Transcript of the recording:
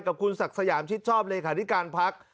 กับคุณศักดิ์สยามชิดชอบเลขาธิการพัก